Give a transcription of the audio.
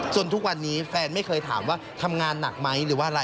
ทุกวันนี้แฟนไม่เคยถามว่าทำงานหนักไหมหรือว่าอะไร